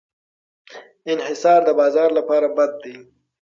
انحصار د بازار لپاره بد دی.